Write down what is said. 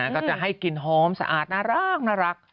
ก็จะให้กินหอมสะอาดน่ารัก